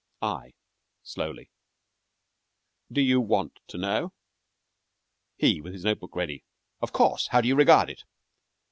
I (slowly) Do you want to know? HE (with his note book ready) Of course. How do you regard it?